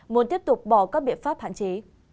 muốn tiếp tục bỏ các biện pháp hạn chế